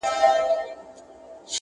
روښان يوسفزي صيب